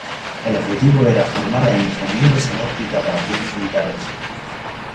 El objetivo era formar a ingenieros en óptica para fines militares.